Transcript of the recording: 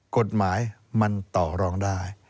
กฎหมายมันต่อรองได้